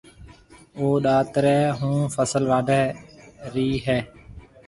او ڏاتري هون فصل واڍهيَ رئي هيَ۔